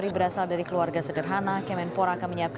berasal dari keluarga yang sangat sederhana